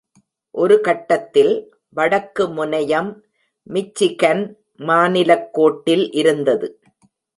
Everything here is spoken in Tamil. ஒரு கட்டத்தில், வடக்கு முனையம் மிச்சிகன் மாநிலக் கோட்டில் இருந்தது.